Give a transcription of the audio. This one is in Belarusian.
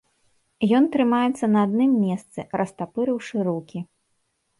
Ён трымаецца на адным месцы, растапырыўшы рукі.